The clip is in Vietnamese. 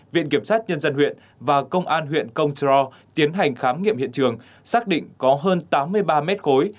viện kiểm sát nhân dân huyện và công an huyện công trờ ro tiến hành khám nghiệm hiện trường xác định có hơn tám mươi ba mét khối